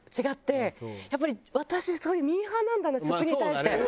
やっぱり私そういうミーハーなんだな食に対して。